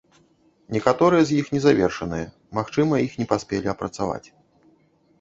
Некаторыя з іх незавершаныя, магчыма іх не паспелі апрацаваць.